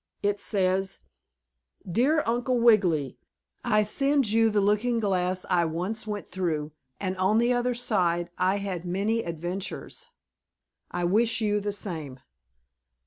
It says: 'Dear Uncle Wiggily: I send you the Looking Glass I once went through, and on the other side I had many adventures. I wish you the same!'"